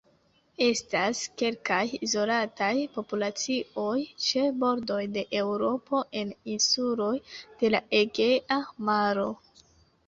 Estas kelkaj izolataj populacioj ĉe bordoj de Eŭropo en insuloj de la Egea Maro.